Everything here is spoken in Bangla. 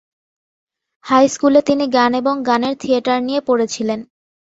হাই স্কুলে তিনি গান এবং গানের থিয়েটার নিয়ে পড়েছিলেন।